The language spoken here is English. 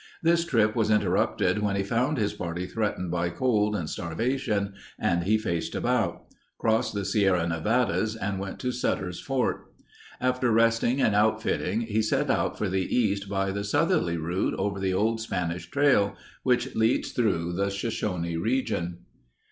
This trip was interrupted when he found his party threatened by cold and starvation and he faced about; crossed the Sierra Nevadas and went to Sutter's Fort. After resting and outfitting, he set out for the East by the southerly route over the old Spanish trail, which leads through the Shoshone region.